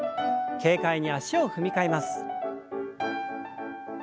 軽快に脚を踏み替えます。